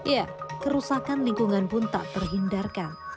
ya kerusakan lingkungan pun tak terhindarkan